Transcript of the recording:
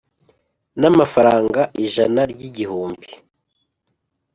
n’amafaranga ijana ry’igihumbi